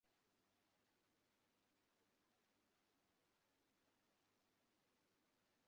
বাড়িতে চলে এসেছো, জ্যাকব।